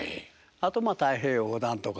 あとまあ太平洋横断とか何か。